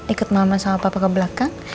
ikut mama sama papa ke belakang